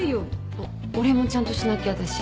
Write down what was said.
おっお礼もちゃんとしなきゃだし。